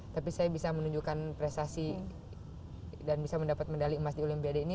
tapi saya bisa menunjukkan prestasi dan bisa mendapat medali emas di olimpiade ini